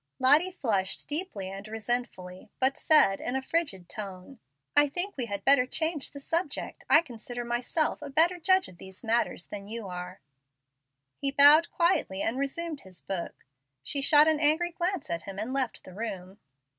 Lottie flushed deeply and resentfully, but said, in a frigid tone, "I think we had better change the subject I consider myself a better judge of these matters than you are." He quietly bowed and resumed his book. She shot an angry glance at him and left the room.